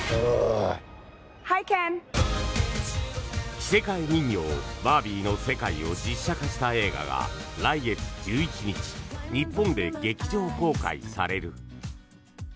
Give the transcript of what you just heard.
着せ替え人形バービーの世界を実写化した映画が来月１１日日本で劇場公開される。